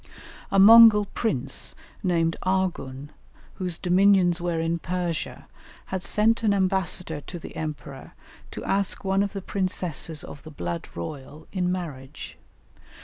A Mongol prince, named Arghun, whose dominions were in Persia, had sent an ambassador to the Emperor to ask one of the princesses of the blood royal, in marriage.